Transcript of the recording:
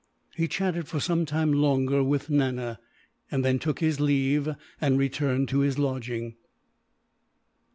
He chatted for some time longer with Nana, and then took his leave and returned to his lodging.